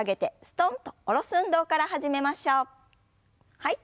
はい。